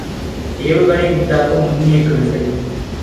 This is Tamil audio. ஏவுகணை உண்டாக்கும் முன்னியக்கு விசை.